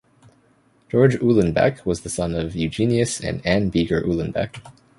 George Uhlenbeck was the son of Eugenius and Anne Beeger Uhlenbeck.